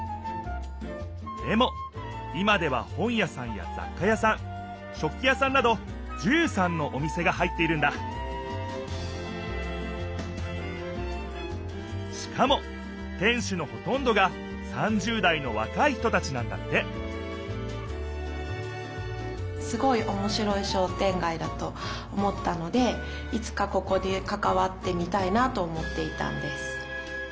でも今では本やさんやざっかやさん食きやさんなど１３のお店が入っているんだしかも店しゅのほとんどが３０だいのわかい人たちなんだっていつかここにかかわってみたいなと思っていたんです。